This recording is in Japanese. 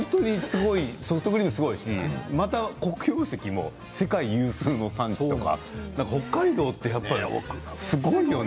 ソフトクリームがすごいし黒曜石は世界有数の産地とか北海道ですごいよね。